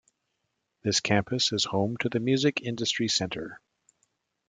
This campus is home to the Music Industry Centre.